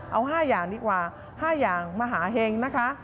เอา๕อย่างดีกว่า๕อย่างมหาเห็งนะคะ